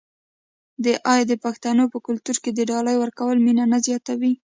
آیا د پښتنو په کلتور کې د ډالۍ ورکول مینه نه زیاتوي؟